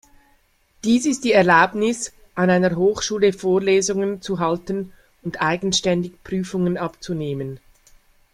Dies ist die Erlaubnis, an einer Hochschule Vorlesungen zu halten und eigenständig Prüfungen abzunehmen.